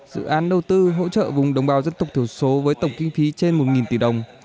dự án đầu tư hỗ trợ vùng đồng bào dân tộc thiểu số với tổng kinh phí trên một tỷ đồng